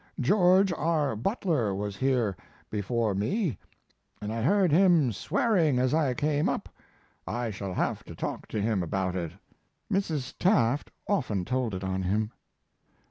George, our butler, was here before me and I heard him swearing as I came up. I shall have to talk to him about it." Mrs. Tafft often told it on him.